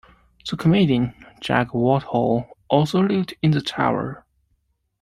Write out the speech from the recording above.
The comedian Jack Whitehall also lived in the Tower.